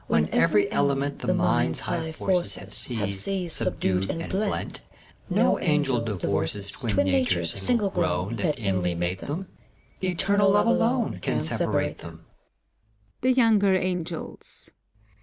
When every element The mind's high forces Have seized, subdued, and blent, No Angel divorces Twin natures single grown. That inly mate them : Eternal Love, alone> Can separate them.